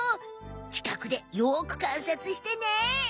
ちかくでよくかんさつしてね。